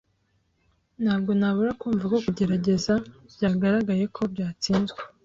Ntabwo nabura kumva ko kugerageza byagaragaye ko byatsinzwe.